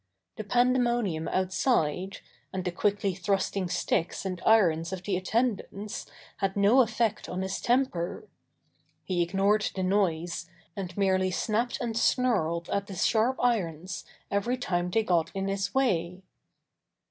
The pandemonium out side, and the quickly thrusting sticks and irons of the attendants, had no effect on his temper. He ignored the noise, and merely snapped and snarled at the sharp irons every time they got in his way.